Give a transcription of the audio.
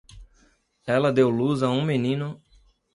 Ela deu à luz um menino